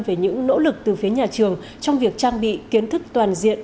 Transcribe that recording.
về những nỗ lực từ phía nhà trường trong việc trang bị kiến thức toàn diện